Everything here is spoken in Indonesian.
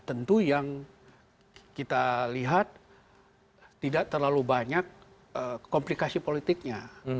tentu yang kita lihat tidak terlalu banyak komplikasi politiknya